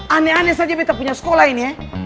aneh aneh saja kita punya sekolah ini ya